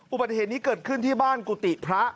อุบัติเหตุนี้เกิดขึ้นที่บ้านกุฏิพระ